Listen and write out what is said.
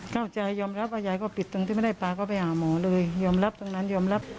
เข้าใจยอมรับว่ายายก็ปิดตรงที่ไม่ได้ปลาก็ไปหาหมอเลยยอมรับตรงนั้นยอมรับ